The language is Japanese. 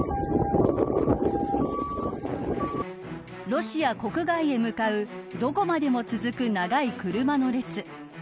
ロシア国外へ向かうどこまでも続く長い車の列。